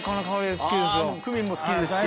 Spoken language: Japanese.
クミンも好きですし。